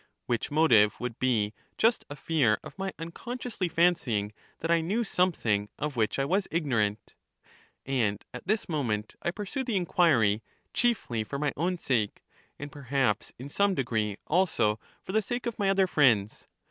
which nno tive would be just a fear of my unconsciously fancy ing that I knew something of which I was ignorant. CHARMIDES 27 And at this moment I pursue the inquiry chiefly for my own sake, and perhaps in some degree also for the sake of my other friends.